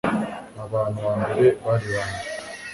abantu bambere bari bande